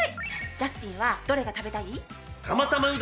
ジャスティンはどれが食べたい？